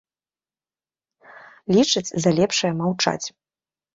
Лічаць за лепшае маўчаць.